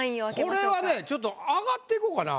これはねちょっと上がっていこかな。